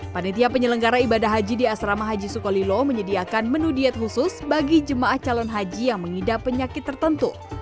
panitia penyelenggara ibadah haji di asrama haji sukolilo menyediakan menu diet khusus bagi jemaah calon haji yang mengidap penyakit tertentu